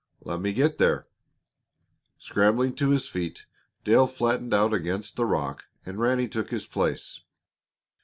"Let me get there." Scrambling to his feet, Dale flattened out against the rock and Ranny took his place.